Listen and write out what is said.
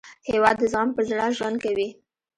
هېواد د زغم په زړه ژوند کوي.